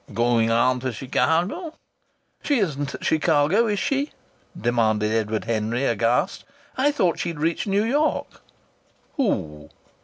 "Going on to Chicago?" "She isn't at Chicago, is she?" demanded Edward Henry, aghast. "I thought she'd reached New York!" "Who?"